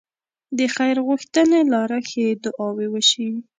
د خير غوښتنې لاره ښې دعاوې وشي.